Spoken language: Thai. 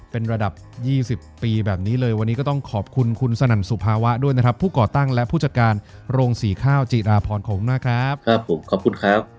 เป็นระดับ๒๐ปีแบบนี้เลยวันนี้ก็ต้องขอบคุณคุณสนั่นสุภาวะด้วยนะครับผู้ก่อตั้งและผู้จัดการโรงสีข้าวจีราพรขอบคุณมากครับผมขอบคุณครับ